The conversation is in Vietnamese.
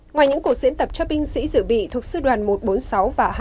ngoài những cuộc diễn tập cho binh sĩ dự bị thuộc sư đoàn một trăm bốn mươi sáu và hai trăm ba